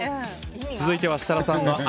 続いては設楽さん、赤。